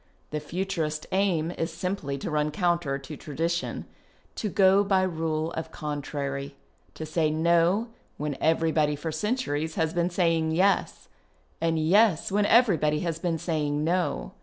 The Futurist aim is simply to run counter to tradition, to go by rule of contrary, to say No when every body for centuries has been saying Yes, and Yes when everybody has been saying No.